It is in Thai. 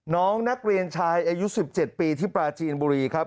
น้องนักเรียนชายอายุ๑๗ปีที่ปลาจีนบุรีครับ